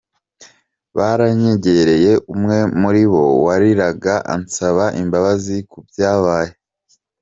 Baranyegereye, umwe muri bo wariraga ansaba imbabazi ku byabaye.